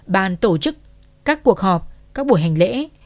ban tổ chức các cuộc họp các buổi hành lễ